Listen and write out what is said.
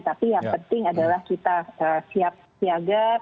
tapi yang penting adalah kita siap siaga